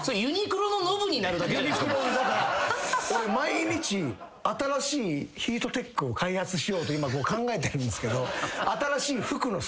俺毎日新しいヒートテックを開発しようと今考えてるんすけど新しい服の素材。